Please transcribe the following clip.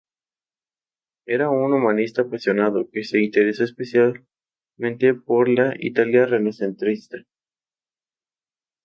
Era un humanista apasionado, que se interesó especialmente por la Italia renacentista.